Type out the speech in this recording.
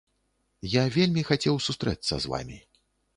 Я вельмі хацеў сустрэцца з вамі.